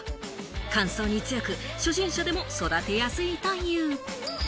乾燥に強く初心者でも育てやすいという。